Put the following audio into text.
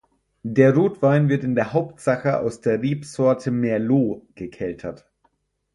Der Rotwein wird in der Hauptsache aus der Rebsorte Merlot gekeltert.